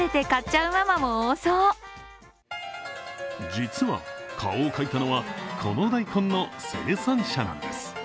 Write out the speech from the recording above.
実は、顔を描いたのはこの大根の生産者なんです。